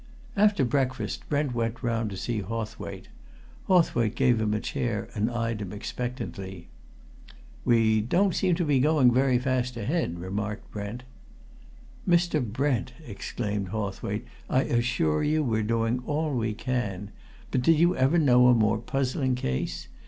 After breakfast Brent went round to see Hawthwaite. Hawthwaite gave him a chair and eyed him expectantly. "We don't seem to be going very fast ahead," remarked Brent. "Mr. Brent," exclaimed Hawthwaite, "I assure you we're doing all we can! But did you ever know a more puzzling case?